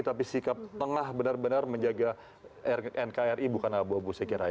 tapi sikap tengah benar benar menjaga nkri bukan abu abu saya kira